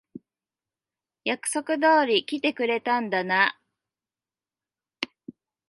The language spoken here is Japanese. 約束通り来てくれたんだな。